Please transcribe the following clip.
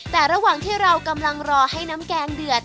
แต่ระหว่างที่เรากำลังรอให้น้ำแกงเดือด